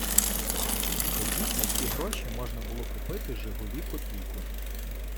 Тоді на ці гроші можна було купити "Жигулі - Копійку".